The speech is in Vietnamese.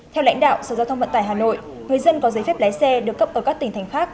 theo lãnh đạo sở giao thông vận tải hà nội người dân có giấy phép lái xe được cấp ở các tỉnh thành khác